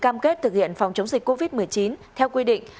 cơ sở đã kết thực hiện phòng chống dịch covid một mươi chín theo quy định